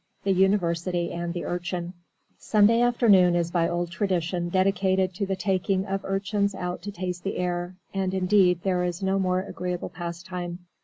THE UNIVERSITY AND THE URCHIN Sunday afternoon is by old tradition dedicated to the taking of Urchins out to taste the air, and indeed there is no more agreeable pastime.